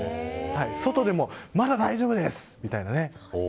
外でもまだ大丈夫ですみたいなね。